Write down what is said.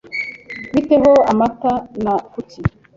Bite ho amata na kuki?